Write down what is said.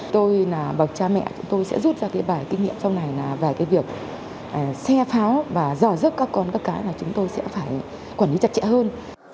tôi và cha mẹ sẽ rút ra bài kinh nghiệm sau này về việc xe pháo và dò rớt các con các cái chúng tôi sẽ phải quản lý chặt chẽ hơn